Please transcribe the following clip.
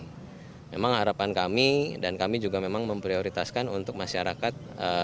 jadi memang harapan kami dan kami juga memang memprioritaskan untuk masyarakat